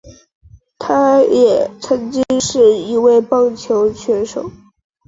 他也曾经是一位棒球选手。